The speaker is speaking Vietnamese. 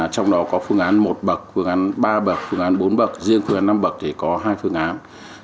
trong đó có phương án một bậc phương án ba bậc phương án bốn bậc riêng phương án năm bậc thì có hai phương án